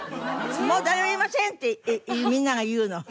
「誰もいません！！」ってみんなが言うの。